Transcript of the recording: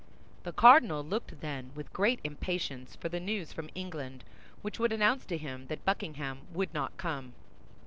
The cardinal looked, then, with great impatience for the news from England which would announce to him that Buckingham would not come.